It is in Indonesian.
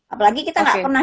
apalagi kita gak pernah